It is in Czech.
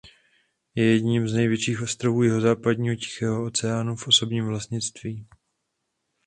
Je jedním z největších ostrovů jihozápadního Tichého oceánu v osobním vlastnictví.